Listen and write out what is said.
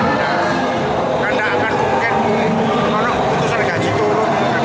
karena akan mungkin orang putuskan gaji turun